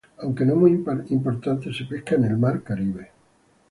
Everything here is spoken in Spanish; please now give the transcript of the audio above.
Aunque no muy importante, se pesca en el Mar Caribe.